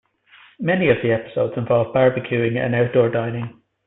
Many of the episodes involve barbecuing and outdoor dining.